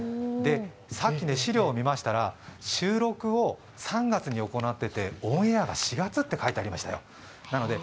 さっき資料を見ましたら収録を３月に行っていて、オンエアが４月って書いてありましたら。